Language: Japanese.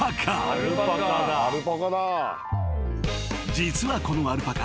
［実はこのアルパカ］